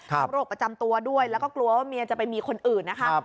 โรคประจำตัวด้วยแล้วก็กลัวว่าเมียจะไปมีคนอื่นนะคะ